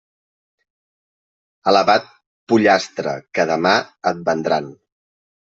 Alaba't pollastre, que demà et vendran.